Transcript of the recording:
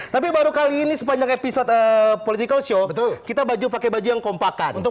tapi baru kali ini sepanjang episode political show kita baju pakai baju yang kompakan